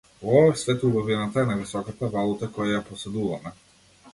Во овој свет убавината е највисоката валута која ја поседуваме.